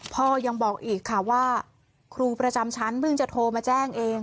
พ่อยังบอกอีกค่ะว่าครูประจำชั้นเพิ่งจะโทรมาแจ้งเอง